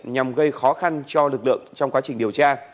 nhằm gây khó khăn cho lực lượng trong quá trình điều tra